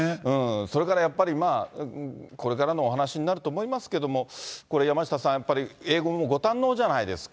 それからやっぱり、これからのお話になると思いますけども、これ、山下さん、やっぱり、英語もご堪能じゃないですか。